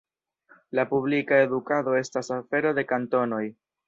La publika edukado estas afero de kantonoj.